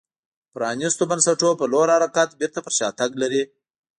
پرانیستو بنسټونو په لور حرکت بېرته پر شا تګ لري